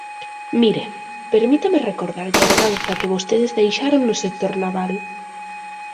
Mire, permítame recordarlle a herdanza que vostedes deixaron no sector naval.